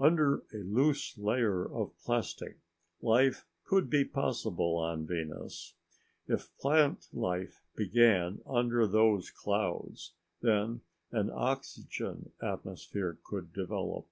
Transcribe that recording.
Under a loose layer of plastic, life could be possible on Venus. If plant life began under those clouds, then an oxygen atmosphere could develop.